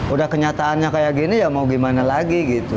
udah kenyataannya kayak gini ya mau gimana lagi gitu